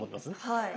はい。